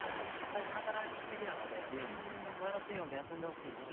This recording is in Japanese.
最近働き過ぎなのでマイナスイオンで休んでほしいし。